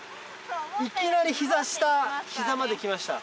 いきなり膝下膝まできました。